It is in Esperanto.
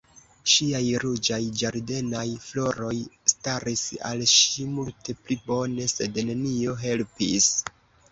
Ŝiaj ruĝaj ĝardenaj floroj staris al ŝi multe pli bone, sed nenio helpis.